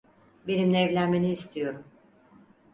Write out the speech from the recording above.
Benimle evlenmeni istiyorum.